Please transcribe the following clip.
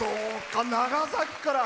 長崎から。